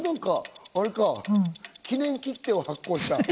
記念切手を発行した。